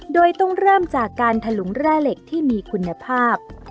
โดยต้องเริ่มจากการถลุงแร่เหล็กที่มีคุณภาพ